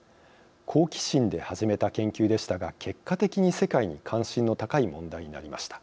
「好奇心で始めた研究でしたが結果的に世界に関心の高い問題になりました。